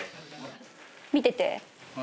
見てて。